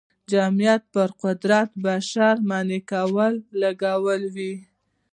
جمعیت پر قدرت بشپړې منګولې لګولې وې.